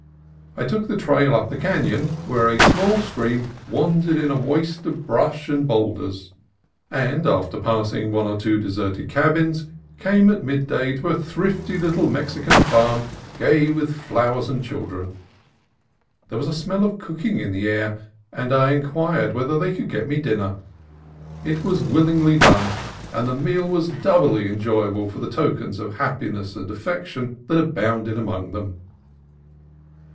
I took the trail up the canon, where a small stream wandered in a waste of brush and boulders ; and after passing one or two deserted cabins came at midday to a thrifty little Mexican farm, gay with flowers and children. There was a smell of cooking in the air, and I inquired whether they could get me dinner. It was willingly done, and the meal was doubly enjoyable for the tokens of happiness and affection that abounded among them.